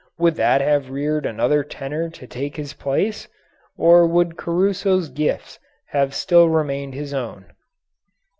Would that have reared another tenor to take his place? Or would Caruso's gifts have still remained his own?